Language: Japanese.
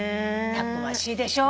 たくましいでしょ。